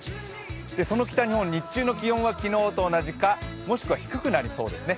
その北日本、日中の気温は昨日と同じかもしくは低くなりそうですね。